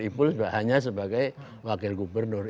ipul hanya sebagai wakil gubernur